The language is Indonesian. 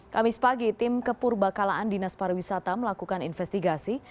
kamis pagi tim kepur bakalaan dinas pariwisata melakukan investigasi